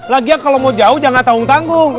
lagi kalau mau jauh jangan tanggung tanggung